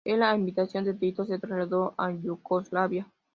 El a invitación de Tito, se trasladó a Yugoslavia.